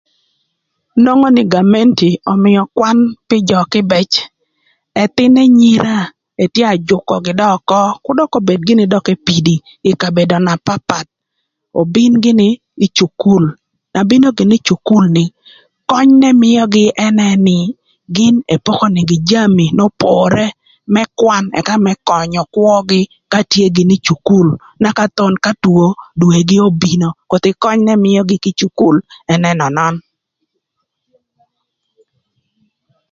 Nwongo nï gamenti ömïö kwan pï jö kïbëc, ëthïn enyira, etye ajükögï dong ökö kür dökï obed gïnï dök epidi ï kabedo na papath, obin gïnï ï cukul, na bino gïnï ï cukul ni, köny nëmïögï ënë nï, gïn epoko nïgï jami n'opore më kwan ëka më könyö kwögï ka tye gïnï ï cukul, naka thon ka two dwegï obino, kothi köny n'ëmïögï kï cukul ën ënönön.